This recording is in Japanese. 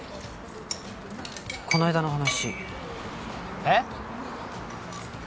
この間の話えっ？